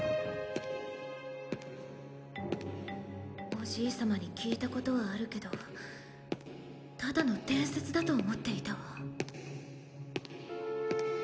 おじい様に聞いたことはあるけどただの伝説だと思っていたわ。